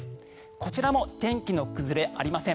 こちらも天気の崩れはありません。